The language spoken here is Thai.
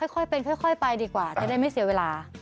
ค่อยเป็นค่อยไปดีกว่าจะได้ไม่เสียเวลา